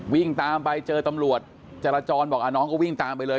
วิ่งตามไปเจอตำรวจจราจรบอกน้องก็วิ่งตามไปเลย